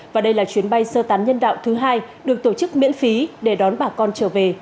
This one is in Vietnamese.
và đây là chuyến bay sơ tán nhân đạo thứ hai được tổ chức miễn phí để đón bà con trở về